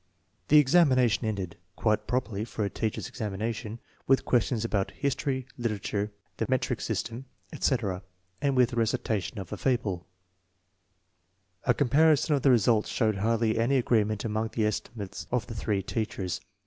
The examination ended, quite properly for a teacher's examination, with questions about history* literature, the metric system, etc., and with the recitation of u fuble* A comparison of the results showed hardly any agree ment among I ho estimates of the throe teachers.